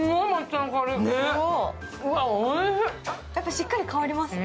しっかり香ります？